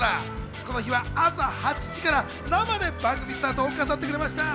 この日は朝８時から生で番組スタートを飾ってくれました。